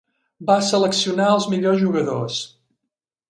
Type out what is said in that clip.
Va seleccionar els millors jugadors.